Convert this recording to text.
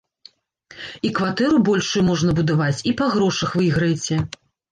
І кватэру большую можна будаваць, і па грошах выйграеце.